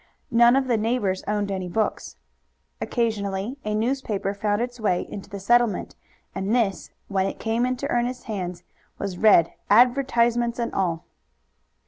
None of the neighbors owned any books. Occasionally a newspaper found its way into the settlement, and this, when it came into Ernest's hands, was read, advertisements and all.